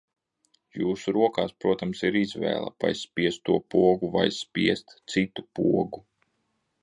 Jūsu rokās, protams, ir izvēle, vai spiest to pogu vai spiest citu pogu.